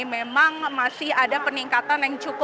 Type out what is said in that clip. memang masih ada peningkatan yang cukup